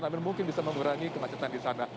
namun mungkin bisa mengurangi kemacetan di sana